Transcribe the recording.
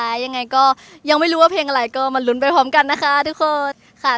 ยังไงก็ยังไม่รู้ว่าเพลงอะไรก็มาลุ้นไปพร้อมกันนะคะทุกคนค่ะ